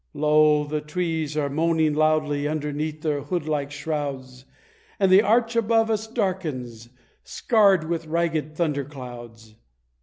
"Lo, the trees are moaning loudly, underneath their hood like shrouds, And the arch above us darkens, scarred with ragged thunder clouds!"